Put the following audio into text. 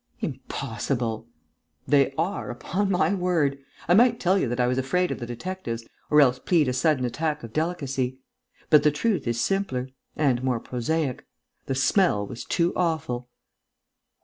"Impossible!" "They are, upon my word! I might tell you that I was afraid of the detectives, or else plead a sudden attack of delicacy. But the truth is simpler ... and more prosaic: the smell was too awful!..."